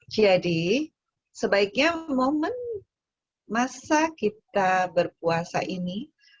jadi sebaiknya momen masa kita berpuasa ini